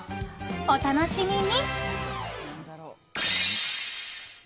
お楽しみに！